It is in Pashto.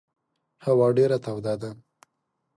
هوا ډېره توده ده.